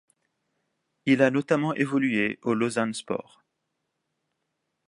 Il a notamment évolué au Lausanne-Sport.